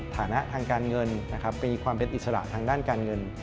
ฐานะทางการเงินนะครับมีความเป็นอิสระทางด้านการเงิน